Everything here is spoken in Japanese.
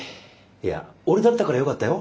いや俺だったからよかったよ？